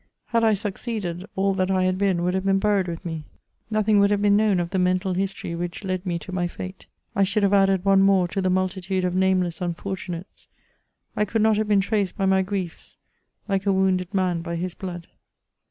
Had I succeeded, all that I had been would have been buried with me ; nothing would have been known of the mental history which led me to my fate; I should have added one more to the multitude of nameless unfortunates ; I could not have been traced by my griefs, like a wounded man by his blood.